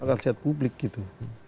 akal sehat publik gitu